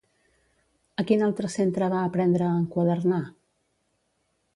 A quin altre centre va aprendre a enquadernar?